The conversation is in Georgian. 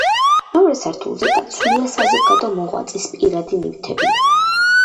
მეორე სართულზე დაცულია საზოგადო მოღვაწის პირადი ნივთები.